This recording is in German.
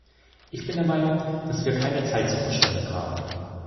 Ich bin der Meinung, dass wir keine Zeit zu verschwenden haben.